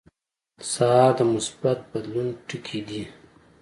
سهار د مثبت بدلون ټکي دي.